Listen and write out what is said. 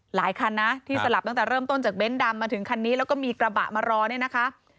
หลายคันนะที่สลับตั้งแต่เริ่มต้นจากเน้นดำมาถึงคันนี้แล้วก็มีกระบะมารอเนี่ยนะคะ